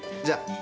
じゃあ。